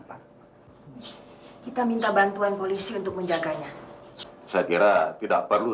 pak kita minta bantuan polisi untuk menjaganya saya kira tidak perlu